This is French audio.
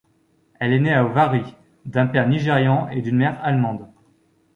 Elle est née à Warri, d'un père nigérian et d'une mère allemande.